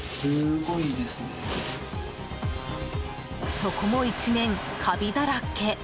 そこも、一面カビだらけ。